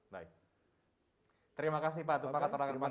baik terima kasih pak tupak